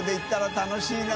楽しいな。